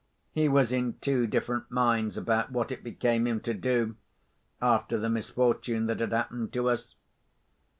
He was in two different minds about what it became him to do, after the misfortune that had happened to us.